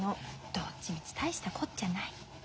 どっちみち大したこっちゃないって。